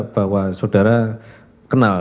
bahwa saudara kenal